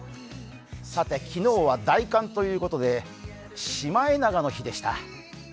さて、昨日は大寒ということでシマエナガの日でした。